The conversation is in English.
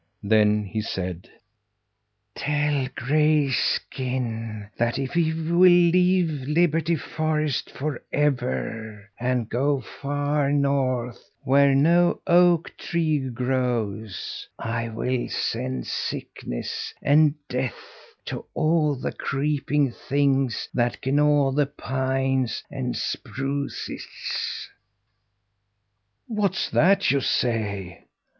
Then he said: "Tell Grayskin that if he will leave Liberty Forest forever, and go far north, where no oak tree grows, I will send sickness and death to all the creeping things that gnaw the pines and spruces!" "What's that you say?"